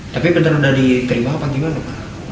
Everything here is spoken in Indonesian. tapi beneran udah dikerima apa gimana pak